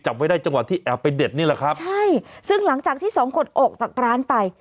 ไว้ได้จังหวะที่แอบไปเด็ดนี่แหละครับใช่ซึ่งหลังจากที่สองคนออกจากร้านไป